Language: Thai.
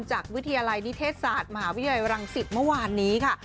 จากวิทยาลัยนิเทศศาสตร์มหาวิทยาลัยรังสิตเมื่อวานนี้ค่ะ